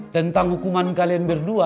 tentang hukuman kalian berdua